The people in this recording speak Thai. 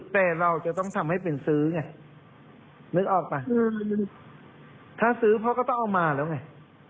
แต่เราจะต้องทำให้เป็นซื้อไงนึกออกป่ะถ้าซื้อพ่อก็ต้องเอามาแล้วไง